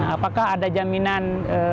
apakah ada jaminan